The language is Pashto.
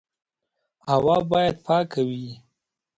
هوا باید پاکه وي.